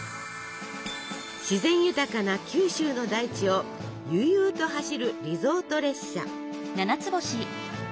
自然豊かな九州の大地を悠々と走るリゾート列車。